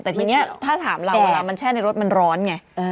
แต่ทีนี้ถ้าถามเราเวลามันแช่ในรถมันร้อนไง